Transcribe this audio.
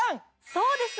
そうです！